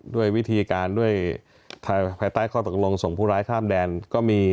ด้วยวิธีการด้วยภายใต้ข้อตกลงส่งผู้ร้ายข้ามแดนก็มี